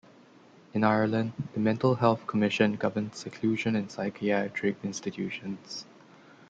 In Ireland, The Mental Health Commission governs seclusion in psychiatric institutions.